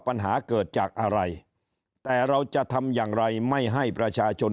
ปัญหาเกิดจากอะไรแต่เราจะทำอย่างไรไม่ให้ประชาชน